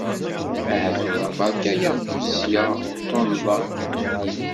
Aha tura berka-aɣ tuzya tunḍa!